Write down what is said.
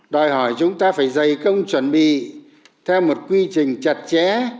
đòi hỏi chúng ta phải dày công chuẩn bị theo một quy trình chặt chẽ